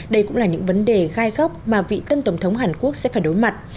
đây cũng là những vấn đề gai góc mà vị tân tổng thống hàn quốc sẽ phải đối mặt